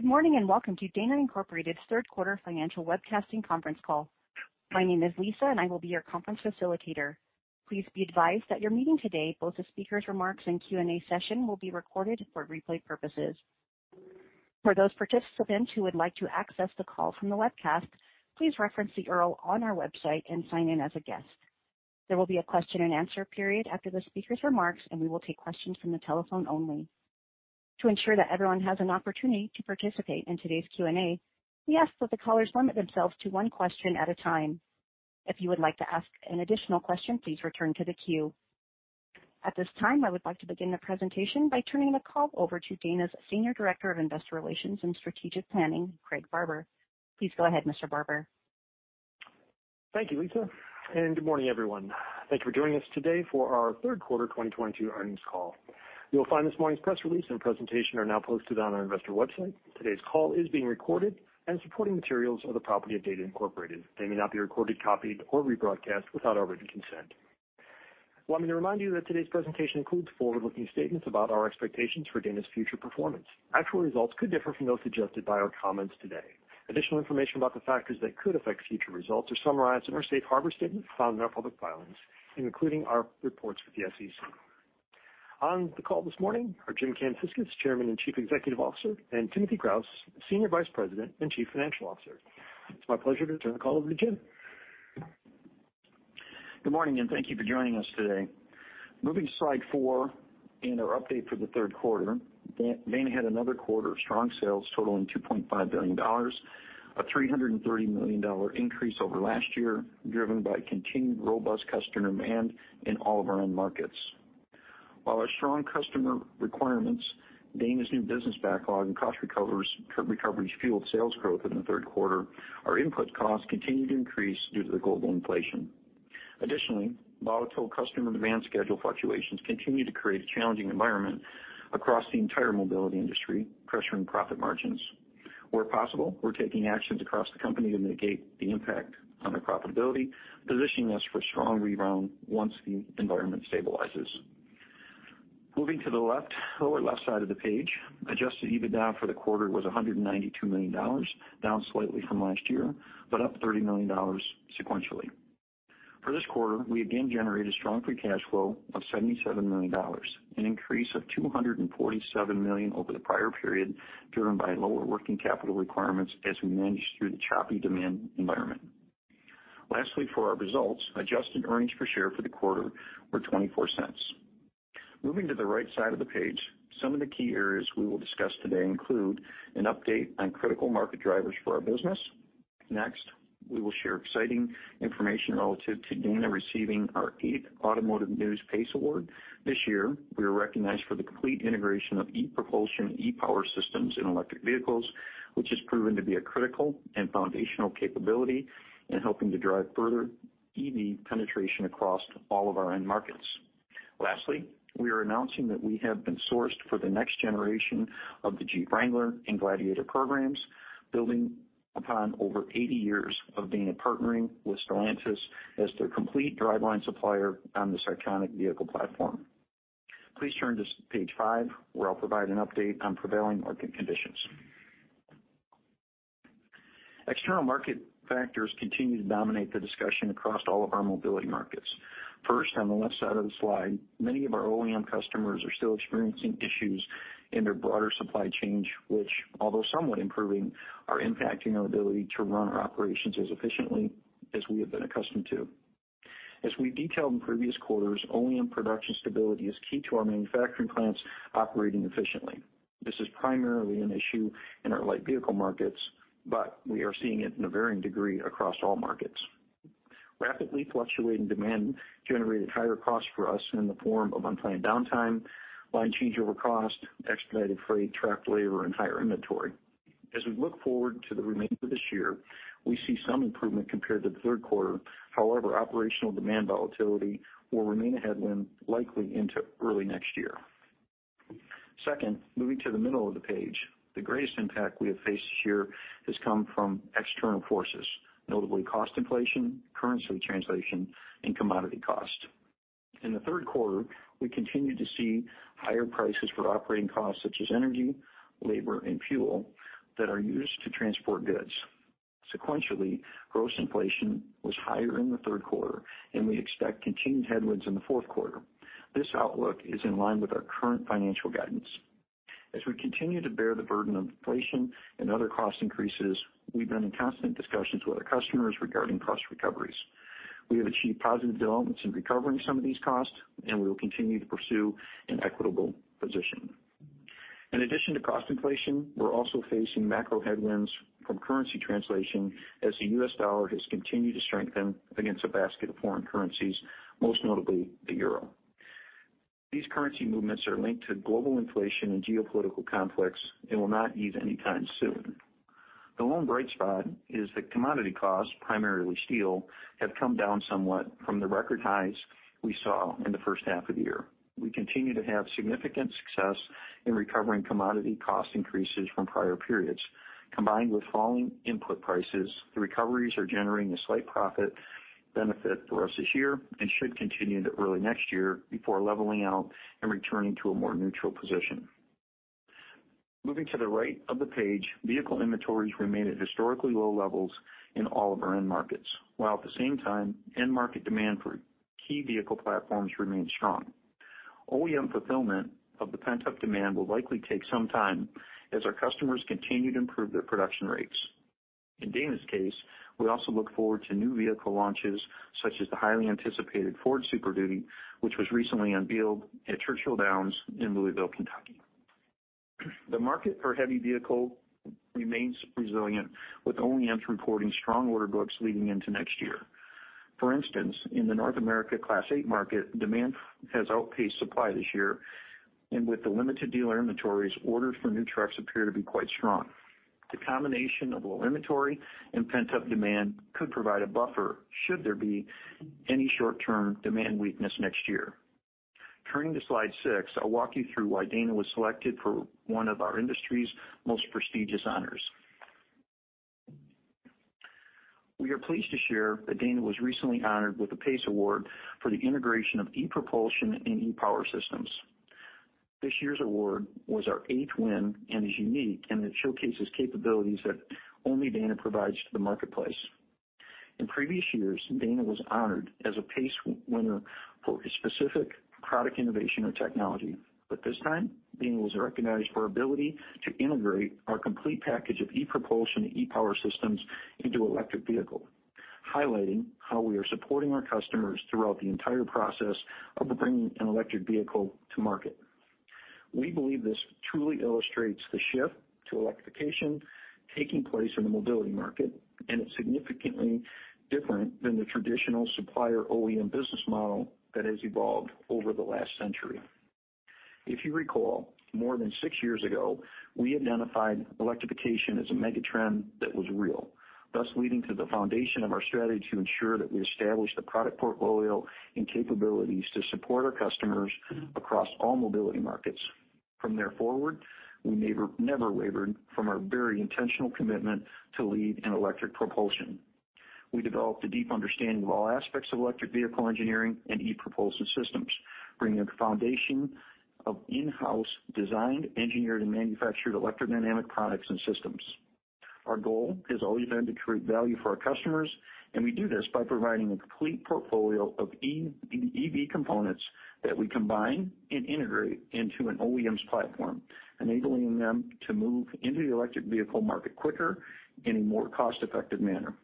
Good morning, and welcome to Dana Incorporated's third quarter financial webcasting conference call. My name is Lisa, and I will be your conference facilitator. Please be advised that your meeting today, both the speaker's remarks and Q&A session, will be recorded for replay purposes. For those participants who would like to access the call from the webcast, please reference the URL on our website and sign in as a guest. There will be a question-and-answer period after the speaker's remarks, and we will take questions from the telephone only. To ensure that everyone has an opportunity to participate in today's Q&A, we ask that the callers limit themselves to one question at a time. If you would like to ask an additional question, please return to the queue. At this time, I would like to begin the presentation by turning the call over to Dana's Senior Director of Investor Relations and Strategic Planning, Craig Barber. Please go ahead, Mr. Barber. Thank you, Lisa, and good morning, everyone. Thank you for joining us today for our third quarter 2022 earnings call. You'll find this morning's press release and presentation are now posted on our investor website. Today's call is being recorded and supporting materials are the property of Dana Incorporated. They may not be recorded, copied, or rebroadcast without our written consent. Well, let me remind you that today's presentation includes forward-looking statements about our expectations for Dana's future performance. Actual results could differ from those suggested by our comments today. Additional information about the factors that could affect future results are summarized in our safe harbor statement found in our public filings, including our reports with the SEC. On the call this morning are James K. Kamsickas, Chairman and Chief Executive Officer, and Timothy Kraus, Senior Vice President and Chief Financial Officer. It's my pleasure to turn the call over to Jim. Good morning, and thank you for joining us today. Moving to slide four in our update for the third quarter, Dana had another quarter of strong sales totaling $2.5 billion, a $330 million increase over last year, driven by continued robust customer demand in all of our end markets. While our strong customer requirements, Dana's new business backlog and cost recoveries fueled sales growth in the third quarter, our input costs continued to increase due to the global inflation. Additionally, volatile customer demand schedule fluctuations continue to create a challenging environment across the entire mobility industry, pressuring profit margins. Where possible, we're taking actions across the company to mitigate the impact on the profitability, positioning us for strong rebound once the environment stabilizes. Moving to the left, lower left side of the page, Adjusted EBITDA for the quarter was $192 million, down slightly from last year, but up $30 million sequentially. For this quarter, we again generated strong free cash flow of $77 million, an increase of $247 million over the prior period, driven by lower working capital requirements as we manage through the choppy demand environment. Lastly, for our results, adjusted earnings per share for the quarter were $0.24. Moving to the right side of the page, some of the key areas we will discuss today include an update on critical market drivers for our business. Next, we will share exciting information relative to Dana receiving our eighth Automotive News PACE Award. This year, we are recognized for the complete integration of e-Propulsion e-Power systems in electric vehicles, which has proven to be a critical and foundational capability in helping to drive further EV penetration across all of our end markets. Lastly, we are announcing that we have been sourced for the next generation of the Jeep Wrangler and Gladiator programs, building upon over 80 years of Dana partnering with Stellantis as their complete driveline supplier on this iconic vehicle platform. Please turn to page five, where I'll provide an update on prevailing market conditions. External market factors continue to dominate the discussion across all of our mobility markets. First, on the left side of the slide, many of our OEM customers are still experiencing issues in their broader supply chains, which although somewhat improving, are impacting our ability to run our operations as efficiently as we have been accustomed to. As we detailed in previous quarters, OEM production stability is key to our manufacturing plants operating efficiently. This is primarily an issue in our light vehicle markets, but we are seeing it in a varying degree across all markets. Rapidly fluctuating demand generated higher costs for us in the form of unplanned downtime, line changeover cost, expedited freight, trapped labor, and higher inventory. As we look forward to the remainder of this year, we see some improvement compared to the third quarter. However, operational demand volatility will remain a headwind likely into early next year. Second, moving to the middle of the page, the greatest impact we have faced this year has come from external forces, notably cost inflation, currency translation, and commodity cost. In the third quarter, we continued to see higher prices for operating costs such as energy, labor, and fuel that are used to transport goods. Sequentially, gross inflation was higher in the third quarter, and we expect continued headwinds in the fourth quarter. This outlook is in line with our current financial guidance. As we continue to bear the burden of inflation and other cost increases, we've been in constant discussions with our customers regarding cost recoveries. We have achieved positive developments in recovering some of these costs, and we will continue to pursue an equitable position. In addition to cost inflation, we're also facing macro headwinds from currency translation as the U.S. dollar has continued to strengthen against a basket of foreign currencies, most notably the euro. These currency movements are linked to global inflation and geopolitical conflicts and will not ease anytime soon. The one bright spot is that commodity costs, primarily steel, have come down somewhat from the record highs we saw in the first half of the year. We continue to have significant success in recovering commodity cost increases from prior periods. Combined with falling input prices, the recoveries are generating a slight profit benefit for us this year and should continue into early next year before leveling out and returning to a more neutral position. Moving to the right of the page, vehicle inventories remain at historically low levels in all of our end markets, while at the same time, end market demand for key vehicle platforms remains strong. OEM fulfillment of the pent-up demand will likely take some time as our customers continue to improve their production rates. In Dana's case, we also look forward to new vehicle launches, such as the highly anticipated Ford Super Duty, which was recently unveiled at Churchill Downs in Louisville, Kentucky. The market for heavy vehicle remains resilient, with OEMs reporting strong order books leading into next year. For instance, in the North America Class 8 market, demand has outpaced supply this year, and with the limited dealer inventories, orders for new trucks appear to be quite strong. The combination of low inventory and pent-up demand could provide a buffer should there be any short-term demand weakness next year. Turning to slide six, I'll walk you through why Dana was selected for one of our industry's most prestigious honors. We are pleased to share that Dana was recently honored with a PACE Award for the integration of e-Propulsion and e-Power systems. This year's award was our eighth win and is unique in that it showcases capabilities that only Dana provides to the marketplace. In previous years, Dana was honored as a PACE winner for a specific product innovation or technology. This time, Dana was recognized for ability to integrate our complete package of e-Propulsion, e-Power systems into electric vehicle, highlighting how we are supporting our customers throughout the entire process of bringing an electric vehicle to market. We believe this truly illustrates the shift to electrification taking place in the mobility market, and it's significantly different than the traditional supplier OEM business model that has evolved over the last century. If you recall, more than six years ago, we identified electrification as a mega trend that was real, thus leading to the foundation of our strategy to ensure that we established the product portfolio and capabilities to support our customers across all mobility markets. From there forward, we never wavered from our very intentional commitment to lead in electric propulsion. We developed a deep understanding of all aspects of electric vehicle engineering and e-Propulsion systems, bringing a foundation of in-house designed, engineered, and manufactured electrodynamic products and systems. Our goal has always been to create value for our customers, and we do this by providing a complete portfolio of EV components that we combine and integrate into an OEM's platform, enabling them to move into the electric vehicle market quicker in a more cost-effective manner.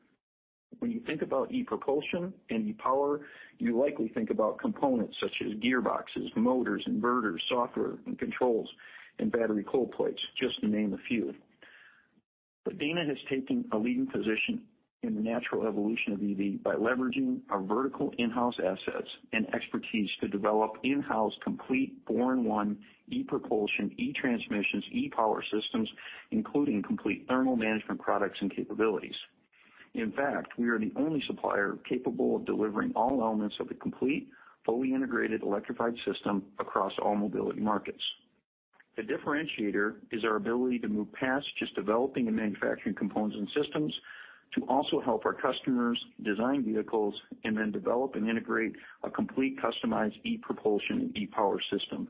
When you think about e-Propulsion and e-Power, you likely think about components such as gearboxes, motors, inverters, software and controls, and battery cold plates, just to name a few. Dana has taken a leading position in the natural evolution of EV by leveraging our vertical in-house assets and expertise to develop in-house complete [born one] e-Propulsion, e-Transmissions, e-Power systems, including complete thermal management products and capabilities. In fact, we are the only supplier capable of delivering all elements of the complete, fully integrated electrified system across all mobility markets. The differentiator is our ability to move past just developing and manufacturing components and systems to also help our customers design vehicles and then develop and integrate a complete customized e-Propulsion, e-Power system.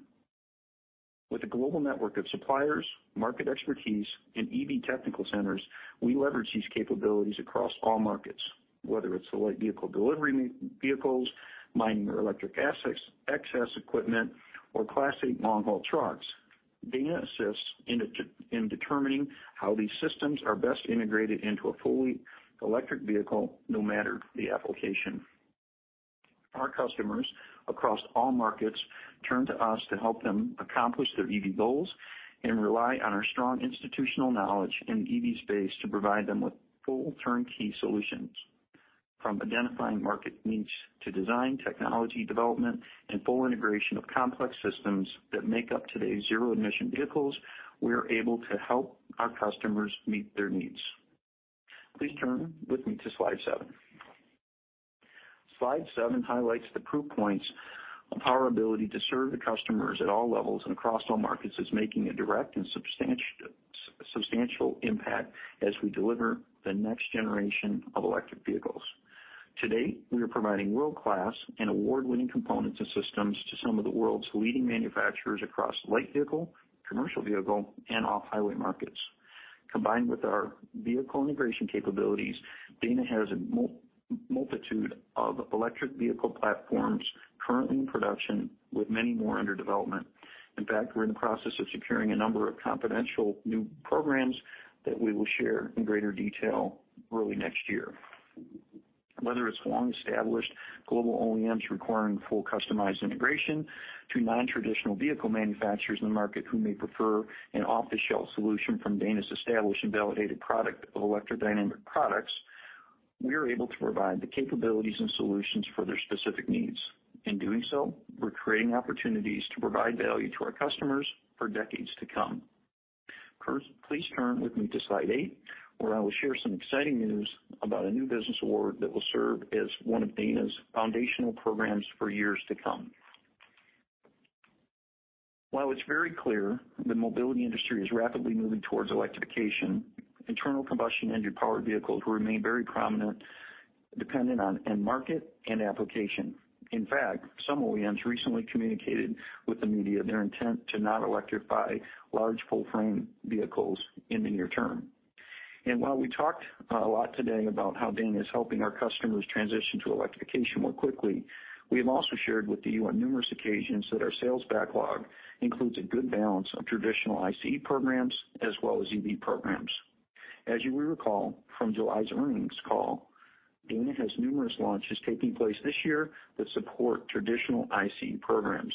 With a global network of suppliers, market expertise, and EV technical centers, we leverage these capabilities across all markets, whether it's the light vehicle delivery vehicles, mining or electric assets access equipment or Class 8 long-haul trucks. Dana assists in determining how these systems are best integrated into a fully electric vehicle, no matter the application. Our customers across all markets turn to us to help them accomplish their EV goals and rely on our strong institutional knowledge in the EV space to provide them with full turnkey solutions. From identifying market needs to design, technology development, and full integration of complex systems that make up today's zero-emission vehicles, we are able to help our customers meet their needs. Please turn with me to slide seven. Slide seven highlights the proof points of our ability to serve the customers at all levels and across all markets as making a direct and substantial impact as we deliver the next generation of electric vehicles. Today, we are providing world-class and award-winning components and systems to some of the world's leading manufacturers across light vehicle, commercial vehicle, and off-highway markets. Combined with our vehicle integration capabilities, Dana has a multitude of electric vehicle platforms currently in production, with many more under development. In fact, we're in the process of securing a number of confidential new programs that we will share in greater detail early next year. Whether it's long-established global OEMs requiring full customized integration to non-traditional vehicle manufacturers in the market who may prefer an off-the-shelf solution from Dana's established and validated product of electrodynamic products, we are able to provide the capabilities and solutions for their specific needs. In doing so, we're creating opportunities to provide value to our customers for decades to come. First, please turn with me to slide eight, where I will share some exciting news about a new business award that will serve as one of Dana's foundational programs for years to come. While it's very clear the mobility industry is rapidly moving towards electrification, internal combustion engine powered vehicles will remain very prominent, dependent on end market and application. In fact, some OEMs recently communicated with the media their intent to not electrify large full-frame vehicles in the near term. While we talked a lot today about how Dana is helping our customers transition to electrification more quickly, we have also shared with you on numerous occasions that our sales backlog includes a good balance of traditional ICE programs as well as EV programs. As you will recall from July's earnings call, Dana has numerous launches taking place this year that support traditional ICE programs.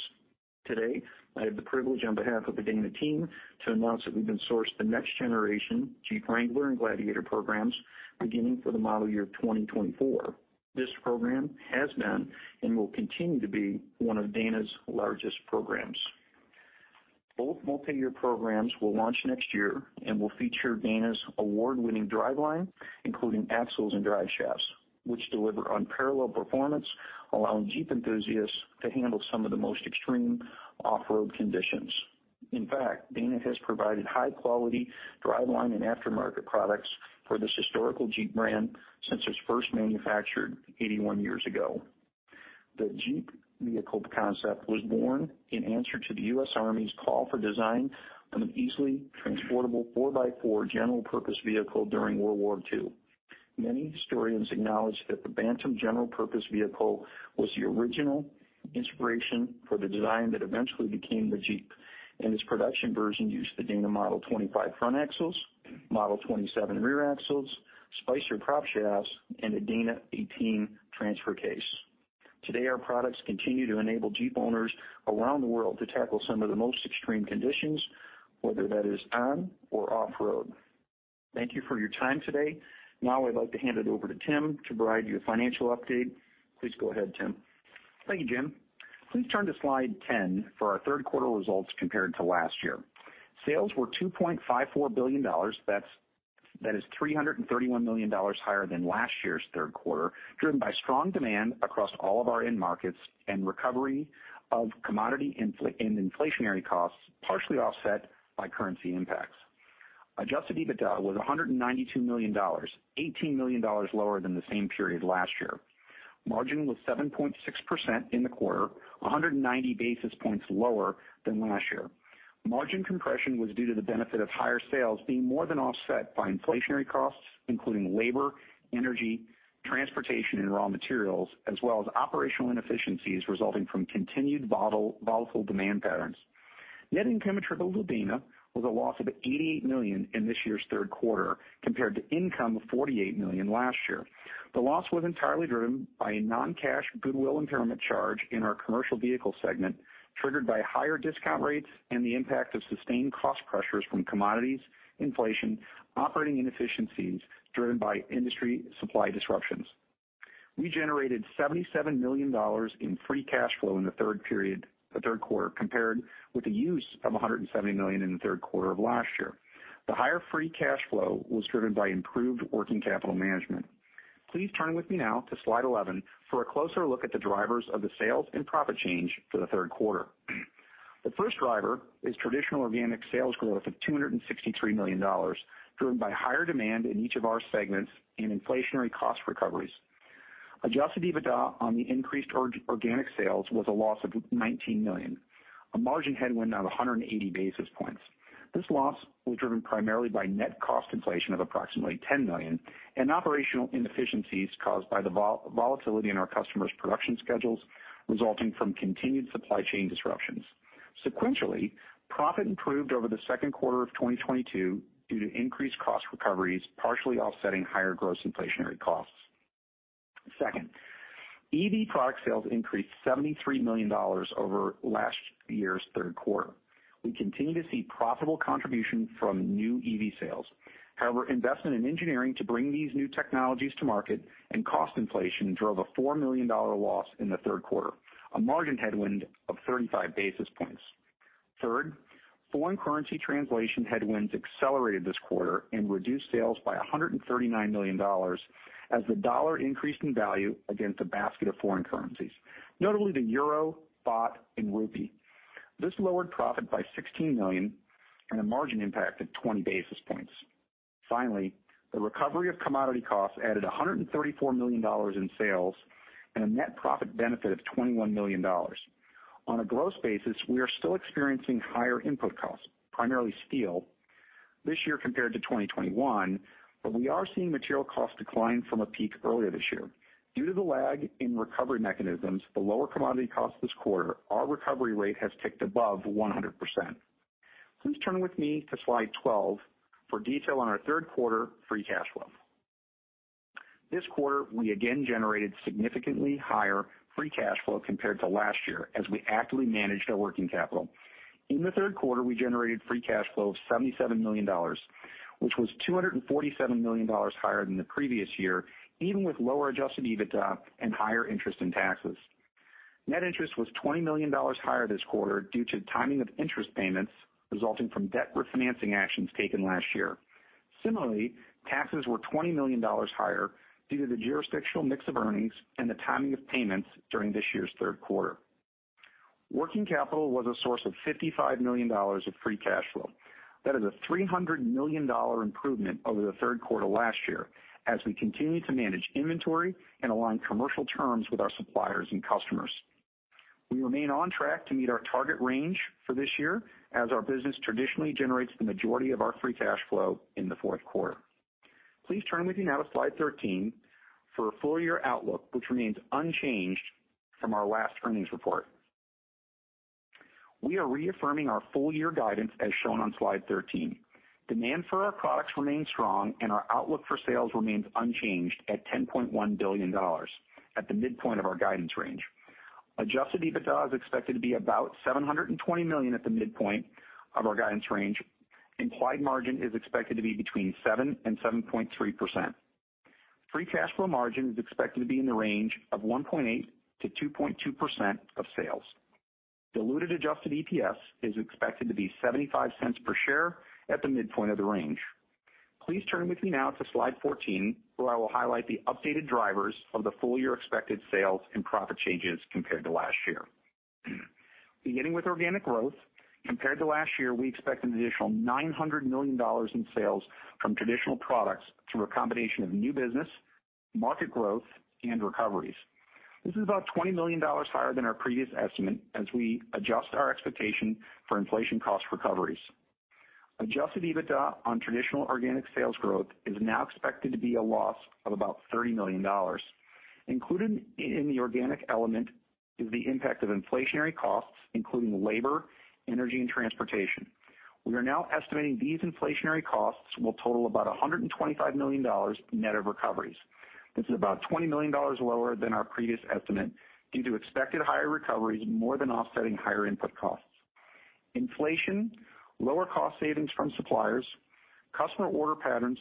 Today, I have the privilege, on behalf of the Dana team, to announce that we've been sourced for the next generation Jeep Wrangler and Gladiator programs beginning in the model year 2024. This program has been and will continue to be one of Dana's largest programs. Both multi-year programs will launch next year and will feature Dana's award-winning driveline, including axles and drive shafts, which deliver unparalleled performance, allowing Jeep enthusiasts to handle some of the most extreme off-road conditions. In fact, Dana has provided high-quality driveline and aftermarket products for this historical Jeep brand since it was first manufactured 81 years ago. The Jeep vehicle concept was born in answer to the U.S. Army's call for design of an easily transportable 4x4 general purpose vehicle during World War II. Many historians acknowledge that the American Bantam General Purpose vehicle was the original inspiration for the design that eventually became the Jeep, and its production version used the Dana Model 25 front axles, Model 27 rear axles, Spicer prop shafts, and a Dana 18 transfer case. Today, our products continue to enable Jeep owners around the world to tackle some of the most extreme conditions, whether that is on or off road. Thank you for your time today. Now I'd like to hand it over to Tim to provide you a financial update. Please go ahead, Tim. Thank you, James. Please turn to slide 10 for our third quarter results compared to last year. Sales were $2.54 billion. That is $331 million higher than last year's third quarter, driven by strong demand across all of our end markets and recovery of commodity and inflationary costs, partially offset by currency impacts. Adjusted EBITDA was $192 million, $18 million lower than the same period last year. Margin was 7.6% in the quarter, 190 basis points lower than last year. Margin compression was due to the benefit of higher sales being more than offset by inflationary costs, including labor, energy, transportation, and raw materials, as well as operational inefficiencies resulting from continued volatile demand patterns. Net income attributable to Dana was a loss of $88 million in this year's third quarter compared to income of $48 million last year. The loss was entirely driven by a non-cash goodwill impairment charge in our commercial vehicle segment, triggered by higher discount rates and the impact of sustained cost pressures from commodities, inflation, operating inefficiencies driven by industry supply disruptions. We generated $77 million in free cash flow in the third period, the third quarter, compared with the use of $170 million in the third quarter of last year. The higher free cash flow was driven by improved working capital management. Please turn with me now to slide 11 for a closer look at the drivers of the sales and profit change for the third quarter. The first driver is traditional organic sales growth of $263 million, driven by higher demand in each of our segments and inflationary cost recoveries. Adjusted EBITDA on the increased organic sales was a loss of $19 million, a margin headwind of 180 basis points. This loss was driven primarily by net cost inflation of approximately $10 million and operational inefficiencies caused by the volatility in our customers' production schedules resulting from continued supply chain disruptions. Sequentially, profit improved over the second quarter of 2022 due to increased cost recoveries, partially offsetting higher gross inflationary costs. Second, EV product sales increased $73 million over last year's third quarter. We continue to see profitable contribution from new EV sales. However, investment in engineering to bring these new technologies to market and cost inflation drove a $4 million loss in the third quarter, a margin headwind of 35 basis points. Third, foreign currency translation headwinds accelerated this quarter and reduced sales by $139 million as the dollar increased in value against a basket of foreign currencies, notably the euro, baht, and rupee. This lowered profit by $16 million and a margin impact of 20 basis points. Finally, the recovery of commodity costs added $134 million in sales and a net profit benefit of $21 million. On a gross basis, we are still experiencing higher input costs, primarily steel this year compared to 2021, but we are seeing material costs decline from a peak earlier this year. Due to the lag in recovery mechanisms, the lower commodity cost this quarter, our recovery rate has ticked above 100%. Please turn with me to slide 12 for detail on our third quarter free cash flow. This quarter, we again generated significantly higher free cash flow compared to last year as we actively managed our working capital. In the third quarter, we generated free cash flow of $77 million which was $247 million higher than the previous year, even with lower Adjusted EBITDA and higher interest and taxes. Net interest was $20 million higher this quarter due to timing of interest payments resulting from debt refinancing actions taken last year. Similarly, taxes were $20 million higher due to the jurisdictional mix of earnings and the timing of payments during this year's third quarter. Working capital was a source of $55 million of free cash flow. That is a $300 million improvement over the third quarter last year as we continue to manage inventory and align commercial terms with our suppliers and customers. We remain on track to meet our target range for this year as our business traditionally generates the majority of our free cash flow in the fourth quarter. Please turn with me now to slide 13 for a full year outlook, which remains unchanged from our last earnings report. We are reaffirming our full year guidance as shown on slide 13. Demand for our products remains strong and our outlook for sales remains unchanged at $10.1 billion at the midpoint of our guidance range. Adjusted EBITDA is expected to be about $720 million at the midpoint of our guidance range. Implied margin is expected to be between 7% and 7.3%. Free cash flow margin is expected to be in the range of 1.8% to 2.2% of sales. Diluted Adjusted EPS is expected to be $0.75 per share at the midpoint of the range. Please turn with me now to slide 14, where I will highlight the updated drivers of the full year expected sales and profit changes compared to last year. Beginning with organic growth. Compared to last year, we expect an additional $900 million in sales from traditional products through a combination of new business, market growth, and recoveries. This is about $20 million higher than our previous estimate as we adjust our expectation for inflation cost recoveries. Adjusted EBITDA on traditional organic sales growth is now expected to be a loss of about $30 million. Included in the organic element is the impact of inflationary costs, including labor, energy, and transportation. We are now estimating these inflationary costs will total about $125 million net of recoveries. This is about $20 million lower than our previous estimate due to expected higher recoveries more than offsetting higher input costs. Inflation, lower cost savings from suppliers, customer order patterns,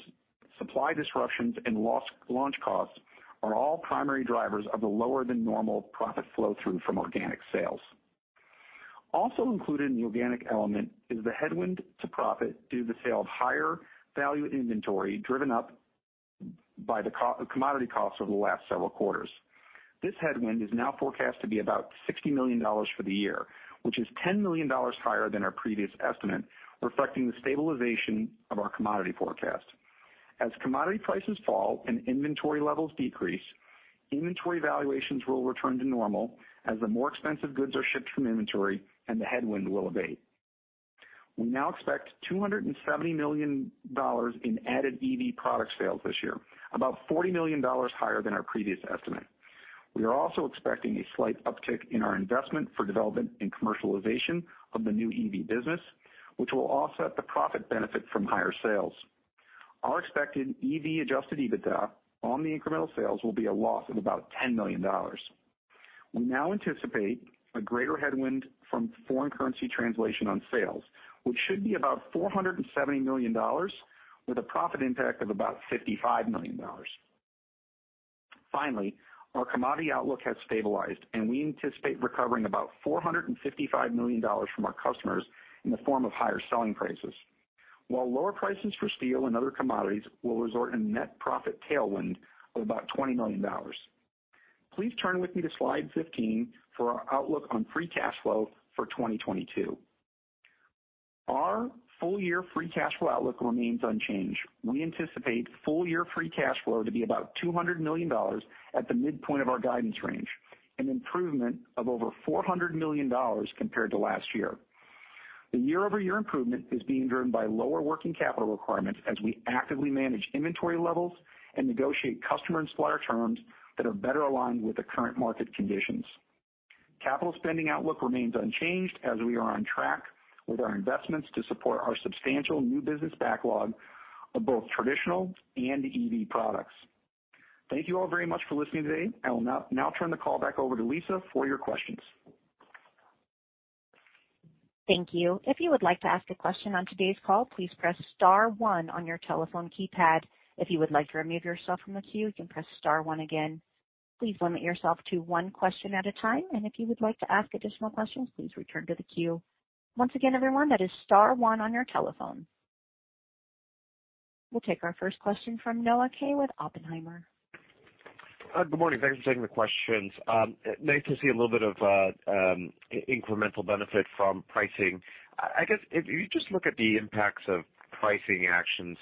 supply disruptions, and lost launch costs are all primary drivers of the lower than normal profit flow through from organic sales. Also included in the organic element is the headwind to profit due to the sale of higher value inventory driven up by the commodity costs over the last several quarters. This headwind is now forecast to be about $60 million for the year, which is $10 million higher than our previous estimate, reflecting the stabilization of our commodity forecast. As commodity prices fall and inventory levels decrease, inventory valuations will return to normal as the more expensive goods are shipped from inventory and the headwind will abate. We now expect $270 million in added EV products sales this year, about $40 million higher than our previous estimate. We are also expecting a slight uptick in our investment for development and commercialization of the new EV business, which will offset the profit benefit from higher sales. Our expected EV Adjusted EBITDA on the incremental sales will be a loss of about $10 million. We now anticipate a greater headwind from foreign currency translation on sales, which should be about $470 million with a profit impact of about $55 million. Finally, our commodity outlook has stabilized, and we anticipate recovering about $455 million from our customers in the form of higher selling prices. While lower prices for steel and other commodities will result in net profit tailwind of about $20 million. Please turn with me to slide 15 for our outlook on free cash flow for 2022. Our full year free cash flow outlook remains unchanged. We anticipate full year free cash flow to be about $200 million at the midpoint of our guidance range, an improvement of over $400 million compared to last year. The year-over-year improvement is being driven by lower working capital requirements as we actively manage inventory levels and negotiate customer and supplier terms that are better aligned with the current market conditions. Capital spending outlook remains unchanged as we are on track with our investments to support our substantial new business backlog of both traditional and EV products. Thank you all very much for listening today. I will now turn the call back over to Lisa for your questions. Thank you. If you would like to ask a question on today's call, please press star one on your telephone keypad. If you would like to remove yourself from the queue, you can press star one again. Please limit yourself to one question at a time, and if you would like to ask additional questions, please return to the queue. Once again, everyone, that is star one on your telephone. We'll take our first question from Noah Kaye with Oppenheimer. Good morning, thanks for taking the questions. Nice to see a little bit of incremental benefit from pricing. I guess if you just look at the impacts of pricing actions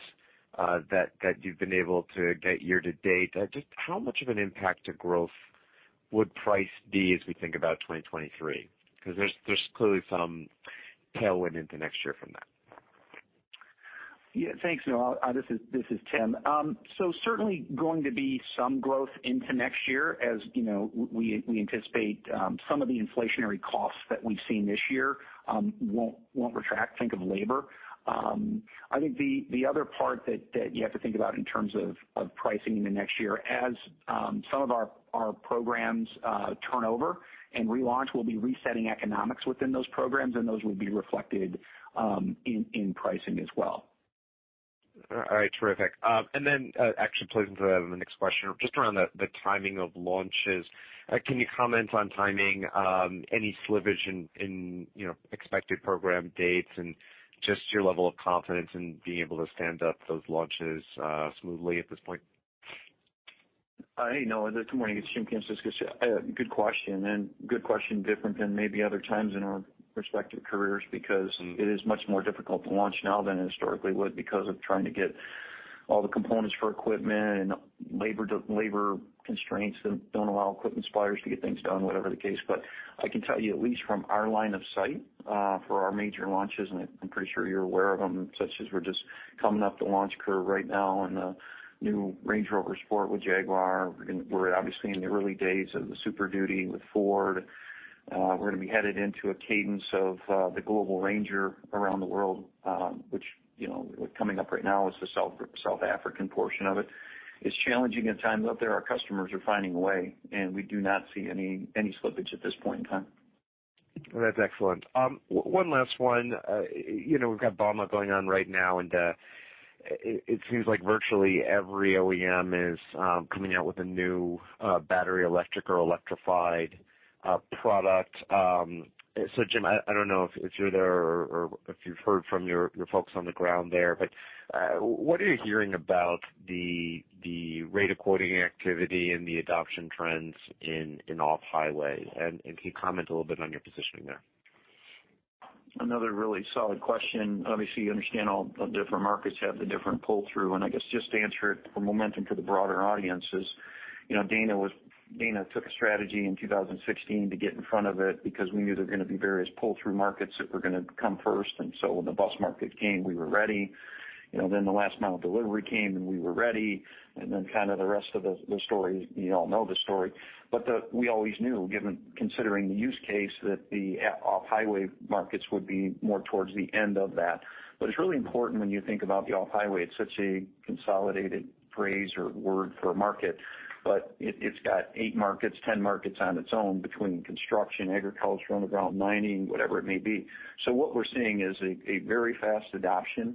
that you've been able to get year to date, just how much of an impact to growth would price be as we think about 2023? There's clearly some tailwind into next year from that. Yeah. Thanks, Noah. This is Tim. Certainly going to be some growth into next year. As you know, we anticipate some of the inflationary costs that we've seen this year won't retract. Think of labor. I think the other part that you have to think about in terms of pricing in the next year, as some of our programs turn over and relaunch, we'll be resetting economics within those programs and those will be reflected in pricing as well. All right, terrific. Actually plays into the next question. Just around the timing of launches, can you comment on timing, any slippage in, you know, expected program dates and just your level of confidence in being able to stand up those launches smoothly at this point? Hey, Noah. Good morning. It's James Kamsickas. Good question different than maybe other times in our respective careers because it is much more difficult to launch now than it historically would because of trying to get all the components for equipment and labor constraints that don't allow equipment suppliers to get things done, whatever the case. I can tell you, at least from our line of sight, for our major launches, and I'm pretty sure you're aware of them, such as we're just coming up the launch curve right now on the new Range Rover Sport with Jaguar. We're obviously in the early days of the Super Duty with Ford. We're gonna be headed into a cadence of the Global Ranger around the world, which, you know, coming up right now is the South African portion of it. It's challenging at times out there. Our customers are finding a way, and we do not see any slippage at this point in time. Well, that's excellent. One last one. You know, we've got bauma going on right now, and it seems like virtually every OEM is coming out with a new battery electric or electrified product. So Jim, I don't know if you're there or if you've heard from your folks on the ground there, but what are you hearing about the rate of quoting activity and the adoption trends in off-highway? Can you comment a little bit on your positioning there? Another really solid question. Obviously, you understand all the different markets have the different pull-through. I guess just to answer it for momentum to the broader audience is, you know, Dana took a strategy in 2016 to get in front of it because we knew there were gonna be various pull-through markets that were gonna come first. When the bus market came, we were ready. You know, then the last mile delivery came, and we were ready. Kind of the rest of the story, you all know the story. We always knew, given considering the use case, that the off-highway markets would be more towards the end of that. It's really important when you think about the off-highway. It's such a consolidated phrase or word for a market. It's got eight markets, 10 markets on its own between construction, agricultural, underground mining, whatever it may be. What we're seeing is a very fast adoption of,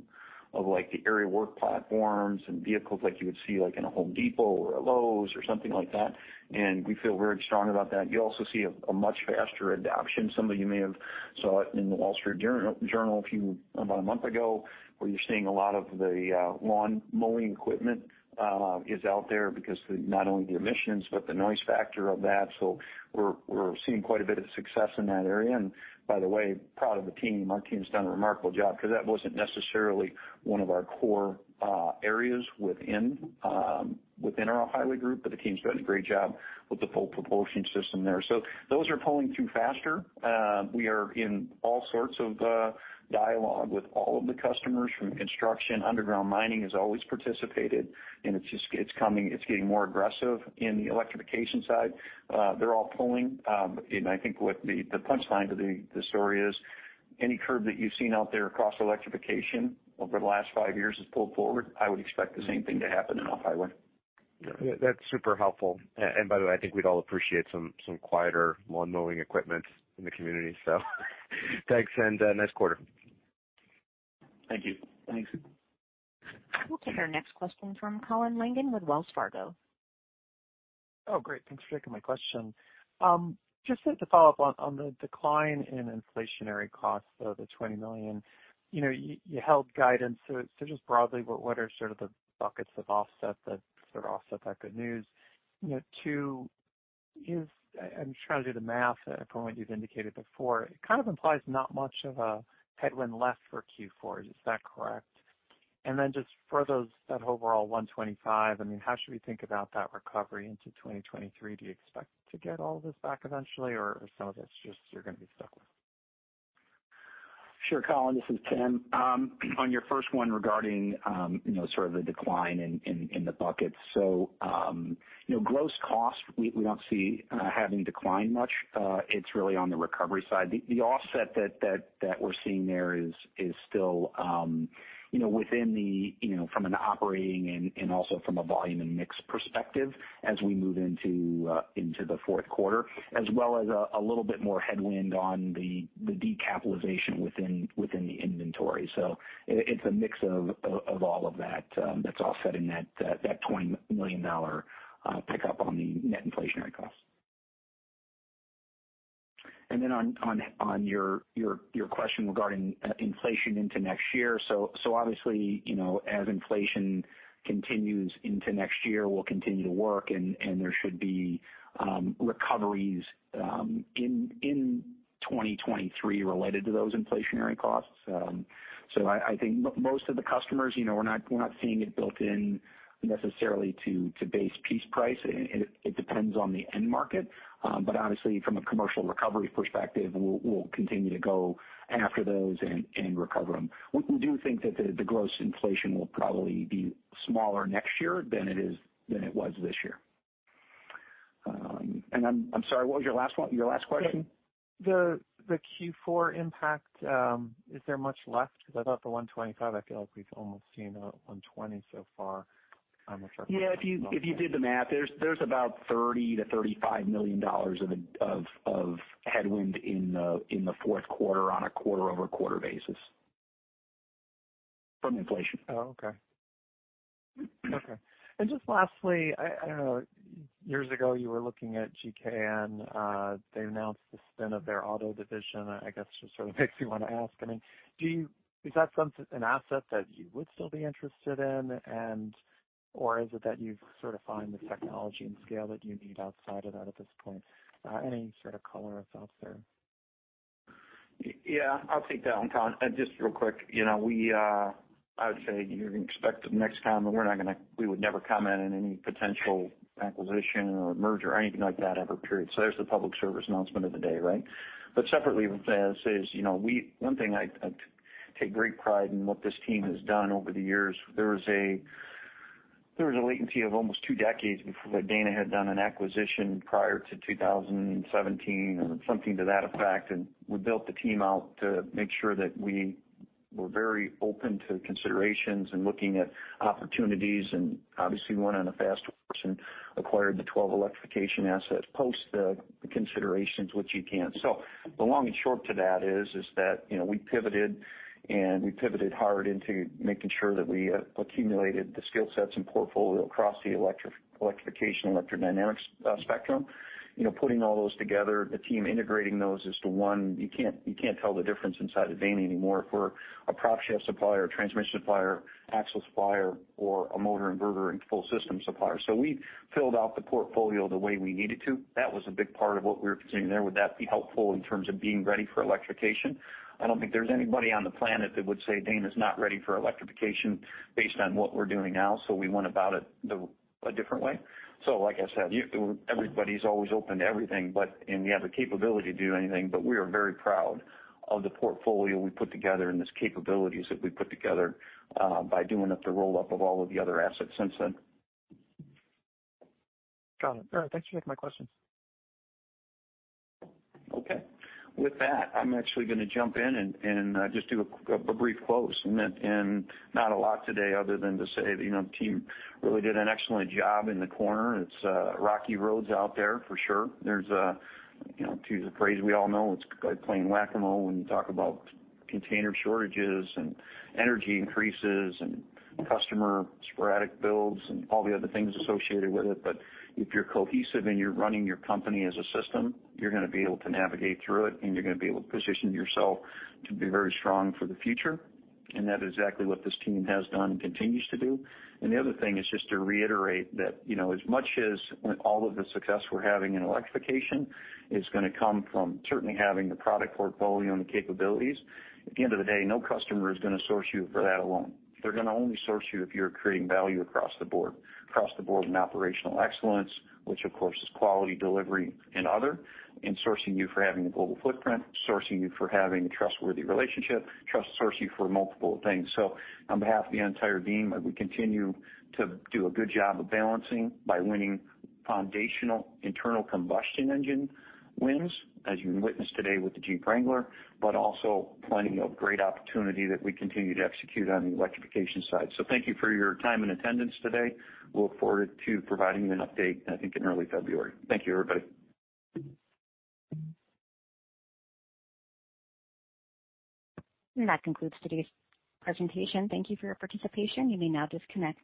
like, the aerial work platforms and vehicles like you would see, like, in a Home Depot or a Lowe's or something like that. We feel very strong about that. You also see a much faster adoption. Some of you may have saw it in The Wall Street Journal about a month ago, where you're seeing a lot of the lawn mowing equipment is out there because not only the emissions, but the noise factor of that. We're seeing quite a bit of success in that area. By the way, proud of the team. Our team's done a remarkable job 'cause that wasn't necessarily one of our core areas within our off-highway group, but the team's done a great job with the full propulsion system there. So those are pulling through faster. We are in all sorts of dialogue with all of the customers from construction. Underground mining has always participated, and it's just getting more aggressive in the electrification side. They're all pulling. I think what the punchline to the story is, any curve that you've seen out there across electrification over the last five years has pulled forward. I would expect the same thing to happen in off-highway. That's super helpful. By the way, I think we'd all appreciate some quieter lawn mowing equipment in the community. Thanks, and nice quarter. Thank you. Thanks. We'll take our next question from Colin Langan with Wells Fargo. Oh, great. Thanks for taking my question. Just to follow up on the decline in inflationary costs, so the $20 million. You know, you held guidance. So just broadly, what are sort of the buckets of offset that sort of offset that good news? You know, too, is I'm just trying to do the math from what you've indicated before. It kind of implies not much of a headwind left for Q4. Is that correct? And then just for those, that overall $125 million, I mean, how should we think about that recovery into 2023? Do you expect to get all this back eventually, or some of it's just you're gonna be stuck with? Sure, Colin, this is Tim. On your first one regarding, you know, sort of the decline in the buckets. You know, gross costs, we don't see having declined much. It's really on the recovery side. The offset that we're seeing there is still, you know, within the, you know, from an operating and also from a volume and mix perspective as we move into the fourth quarter, as well as a little bit more headwind on the decapitalization within the inventory. It's a mix of all of that that's offset in that $20 million pickup on the net inflationary costs. On your question regarding inflation into next year. Obviously, you know, as inflation continues into next year, we'll continue to work and there should be recoveries in 2023 related to those inflationary costs. I think most of the customers, you know, we're not seeing it built in necessarily to base piece price. It depends on the end market. But honestly, from a commercial recovery perspective, we'll continue to go after those and recover them. We do think that the gross inflation will probably be smaller next year than it was this year. I'm sorry, what was your last one, your last question? The Q4 impact, is there much left? Because I thought the $125 million, I feel like we've almost seen $120 million so far on the- Yeah. If you did the math, there's about $30 million-$35 million of headwind in the fourth quarter on a quarter-over-quarter basis from inflation. Just lastly, I know years ago you were looking at GKN. They announced the spin of their auto division. I guess just sort of makes me wanna ask. I mean, is that some asset that you would still be interested in or is it that you've sort of found the technology and scale that you need outside of that at this point? Any sort of color that's out there? Yeah, I'll take that one, Colin. Just real quick, you know, I would say you can expect the next comment. We would never comment on any potential acquisition or merger or anything like that, ever, period. There's the public service announcement of the day, right? Separately with this is, you know, one thing I take great pride in what this team has done over the years. There was a latency of almost two decades before Dana had done an acquisition prior to 2017 or something to that effect. We built the team out to make sure that we were very open to considerations and looking at opportunities, and obviously went on a fast course and acquired the 12 electrification assets post the considerations, which you can. The long and short to that is that, you know, we pivoted, and we pivoted hard into making sure that we accumulated the skill sets and portfolio across the electrification, electrodynamics spectrum. You know, putting all those together, the team integrating those into one, you can't tell the difference inside of Dana anymore if we're a prop shaft supplier, a transmission supplier, axle supplier or a motor inverter and full system supplier. We filled out the portfolio the way we needed to. That was a big part of what we were continuing there. Would that be helpful in terms of being ready for electrification? I don't think there's anybody on the planet that would say Dana's not ready for electrification based on what we're doing now, so we went about it a different way. Like I said, everybody's always open to everything, but and we have the capability to do anything, but we are very proud of the portfolio we put together and these capabilities that we put together by doing up the roll-up of all of the other assets since then. Got it. All right, thanks for taking my questions. Okay. With that, I'm actually gonna jump in and just do a brief close. Then not a lot today other than to say that, you know, the team really did an excellent job in the quarter. It's rocky roads out there for sure. There's, you know, to use a phrase we all know, it's like playing Whac-A-Mole when you talk about container shortages and energy increases and customer sporadic builds and all the other things associated with it. If you're cohesive and you're running your company as a system, you're gonna be able to navigate through it and you're gonna be able to position yourself to be very strong for the future, and that is exactly what this team has done and continues to do. The other thing is just to reiterate that, you know, as much as all of the success we're having in electrification is gonna come from certainly having the product portfolio and the capabilities, at the end of the day, no customer is gonna source you for that alone. They're gonna only source you if you're creating value across the board. Across the board in operational excellence, which of course is quality, delivery and other, and sourcing you for having a global footprint, sourcing you for having a trustworthy relationship, sourcing you for multiple things. On behalf of the entire team, as we continue to do a good job of balancing by winning foundational internal combustion engine wins, as you witnessed today with the Jeep Wrangler, but also plenty of great opportunity that we continue to execute on the electrification side. Thank you for your time and attendance today. We'll look forward to providing you an update, I think, in early February. Thank you, everybody. That concludes today's presentation. Thank you for your participation. You may now disconnect.